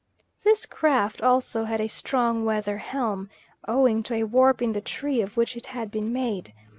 This craft also had a strong weather helm, owing to a warp in the tree of which it had been made.